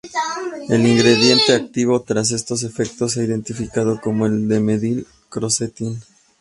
El ingrediente activo tras estos efectos se ha identificado como el dimetil-crocetin.